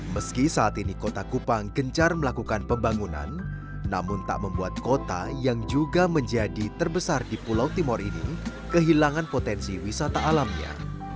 meski saat ini kota kupang gencar melakukan pembangunan namun tak membuat kota yang juga menjadi terbesar di pulau timur ini kehilangan potensi wisata alamnya